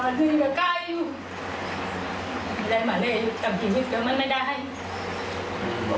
อันนี้เฉินเลือกเข้ามาอีกสิบปีแล้วก็